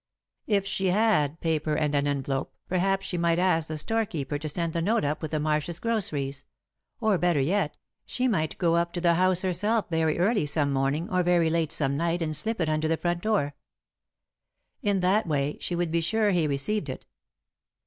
If she had paper and an envelope, perhaps she might ask the storekeeper to send the note up with the Marshs' groceries, or, better yet, she might go up to the house herself very early some morning or very late some night and slip it under the front door. In that way, she would be sure he received it.